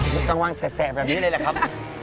กลางวันแสกแบบนี้เลยแหละครับ